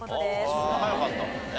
そんな早かったんだね。